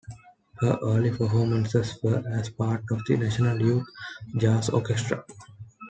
Her early performances were as part of the National Youth Jazz Orchestra.